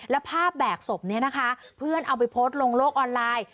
แล้วภาพแบกศพนี้นะคะเพื่อนเอาไปโพสต์ลงโลกออนไลน์